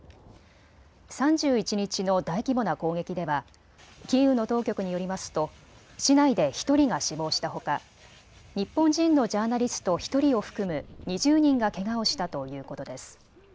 ３１日の大規模な攻撃ではキーウの当局によりますと市内で１人が死亡したほか日本人のジャーナリスト１人を含む２０人がけがをしたということです。